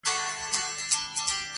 هم په اور هم په اوبو کي دي ساتمه٫